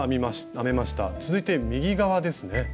続いて右側ですね。